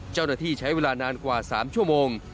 เจ้าหน้าที่ใช้เวลานานกว่า๓ชั่วโมง